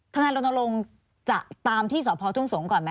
นายรณรงค์จะตามที่สพทุ่งสงศ์ก่อนไหม